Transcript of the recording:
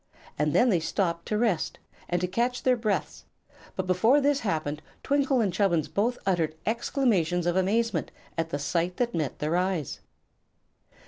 Then they stopped to rest and to catch their breaths, but before this happened Twinkle and Chubbins both uttered exclamations of amazement at the sight that met their eyes.